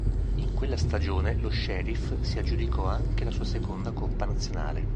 In quella stagione lo Sheriff si aggiudicò anche la sua seconda coppa nazionale.